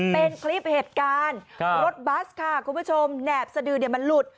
เป็นคลิปเหตุการณ์รถบัสค่ะคุณผู้ชมแหนบสดือเนี่ยมันหลุด